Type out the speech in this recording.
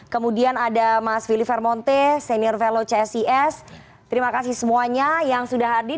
kemudian ada mas willy vermonte senior velo csis terima kasih semuanya yang sudah hadir